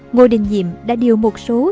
ngô đình diệm đã điều một số